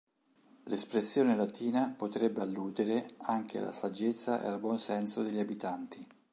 L'espressione latina potrebbe alludere anche alla saggezza e al buon senso degli abitanti.